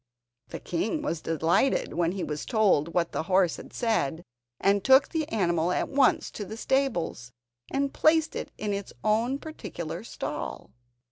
The king was delighted when he was told what the horse had said, and took the animal at once to the stables, and placed it in his own particular stall.